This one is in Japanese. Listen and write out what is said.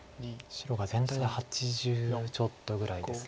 白が全体で８０ちょっとぐらいです。